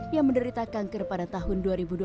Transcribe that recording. yang menderita kanker pada tahun dua ribu dua belas